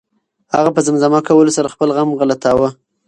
هغه په زمزمه کولو سره خپل غم غلطاوه.